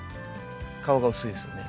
皮が薄いですよね。